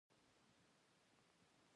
دا د شنو جامو هلک د ګلا جان پارکټې دې.